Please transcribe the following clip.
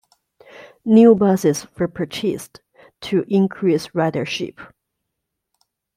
New buses were purchased to increase ridership.